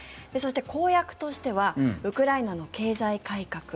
そして公約としてはウクライナの経済改革